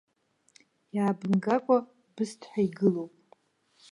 Иаабымгакәа, бысҭ ҳәа игылоуп!